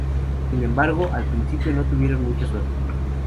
Sin embargo, al principio no tuvieron mucha suerte.